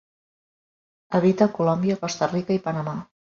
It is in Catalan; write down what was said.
Habita a Colòmbia, Costa Rica i Panamà.